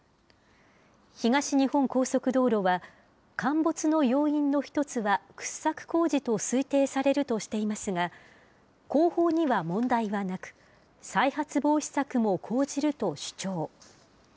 東日本高速道路は、陥没の要因の一つは掘削工事と推定されるとしていますが、工法には問題はなく、再発防止策も講じると主張。